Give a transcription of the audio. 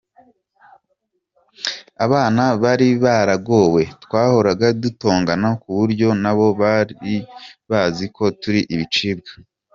Abana bari baragowe, twahoraga dutongana ku buryo nabo bari bazi ko turi ibicibwa”.